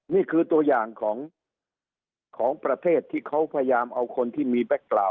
นี่คือตัวอย่างของของประเทศที่เขาพยายามเอาคนที่มี